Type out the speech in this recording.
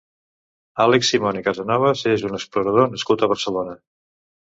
Àlex Simón i Casanovas és un explorador nascut a Barcelona.